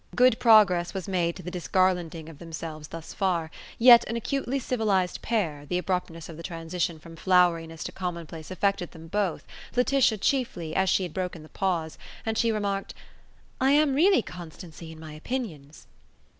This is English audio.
Good progress was made to the disgarlanding of themselves thus far; yet, an acutely civilized pair, the abruptness of the transition from floweriness to commonplace affected them both, Laetitia chiefly, as she had broken the pause, and she remarked: "I am really Constancy in my opinions."